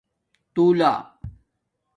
تݸلہ